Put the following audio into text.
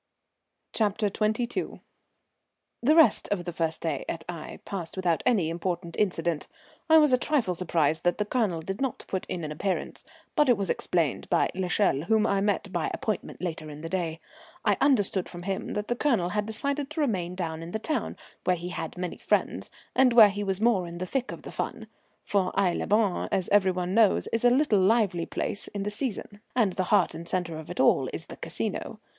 CHAPTER XXII. The rest of the first day at Aix passed without any important incident. I was a trifle surprised that the Colonel did not put in an appearance; but it was explained by l'Echelle, whom I met by appointment later in the day. I understood from him that the Colonel had decided to remain down in the town, where he had many friends, and where he was more in the thick of the fun. For Aix les Bains, as every one knows, is a lively little place in the season, and the heart and centre of it all is the Casino.